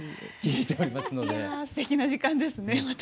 いやすてきな時間ですねまた。